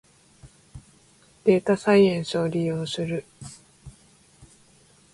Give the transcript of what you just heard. データサイエンスを利用する